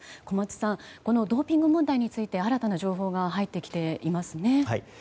小松さんこのドーピング問題について新たな情報が入ってきていますね。